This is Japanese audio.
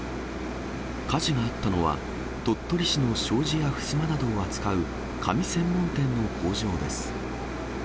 火事があったのは、鳥取市の障子やふすまなどを扱う紙専門店の工場です。